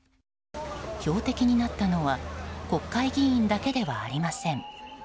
標的になったのは国会議員だけではありません。